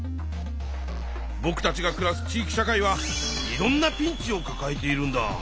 ぼくたちがくらす地域社会はいろんなピンチをかかえているんだ。